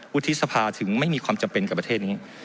วุฒิสภาถึงไม่มีความจำเป็นกับประเทศนี้